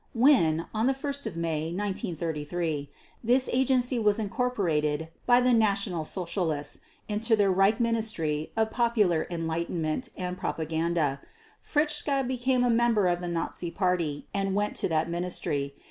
When, on 1 May 1933, this agency was incorporated by the National Socialists into their Reich Ministry of Popular Enlightenment and Propaganda, Fritzsche became a member of the Nazi Party and went to that Ministry.